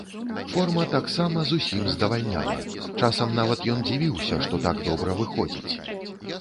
Форма таксама зусім здавальняла, часам нават ён дзівіўся, што так добра выходзіць.